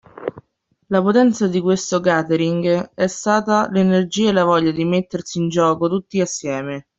La potenza di questo Gathering è stata l’energia e la voglia di mettersi in gioco tutti assieme